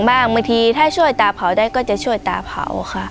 บางทีถ้าช่วยตาเผาได้ก็จะช่วยตาเผาค่ะ